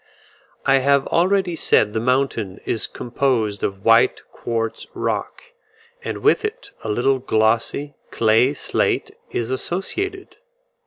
I have already said the mountain is composed of white quartz rock, and with it a little glossy clay slate is associated.